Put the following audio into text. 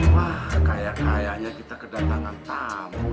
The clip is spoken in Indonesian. wah kayak kayaknya kita kedatangan tamu